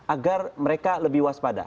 agar mereka lebih waspada